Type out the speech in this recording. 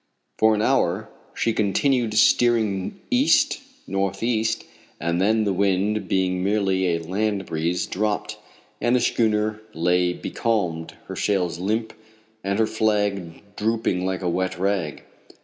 For an hour she continued steering east northeast, and then, the wind, being merely a land breeze, dropped, and the schooner lay becalmed, her sails limp, and her flag drooping like a wet rag.